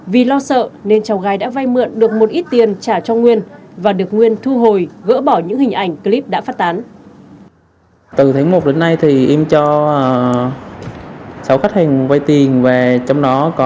vì lo sợ nên cháu gái đã vay mượn được một ít tiền trả cho nguyên và được nguyên thu hồi gỡ bỏ những hình ảnh clip đã phát tán